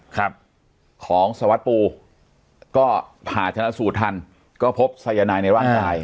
ครับของสวัสดิปูก็ผ่าชนะสูตรทันก็พบสายนายในร่างกาย